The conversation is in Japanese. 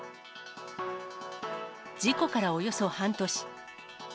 事故からおよそ半年。